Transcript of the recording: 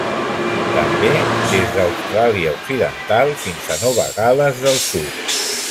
També des d'Austràlia Occidental fins a Nova Gal·les del Sud.